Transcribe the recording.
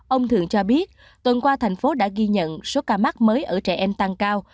ông thượng cho biết tuần qua thành phố đã ghi nhận số ca mắc mới ở trẻ em tăng cao